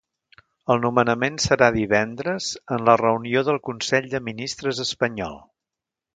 El nomenament serà divendres en la reunió del consell de ministres espanyol.